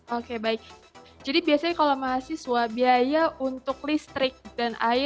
oke baik jadi biasanya kalau mahasiswa biaya untuk listrik dan air itu sudah mencapai seratus persen